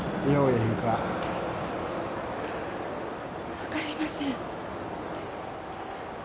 分かりません。